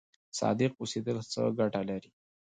صادق اوسیدل څه ګټه لري؟